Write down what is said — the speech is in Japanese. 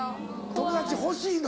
友達欲しいの？